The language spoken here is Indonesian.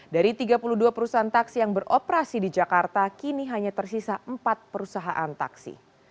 dari tiga puluh dua perusahaan taksi yang beroperasi di jakarta kini hanya tersisa empat perusahaan taksi